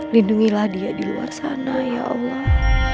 lindungilah dia di luar sana ya allah